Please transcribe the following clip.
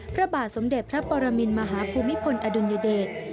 พระบาทสมเด็จพระปรมินมหาภูมิพลอดุลยเดช